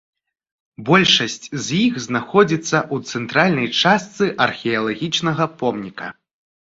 Большасць з іх знаходзіцца ў цэнтральнай частцы археалагічнага помніка.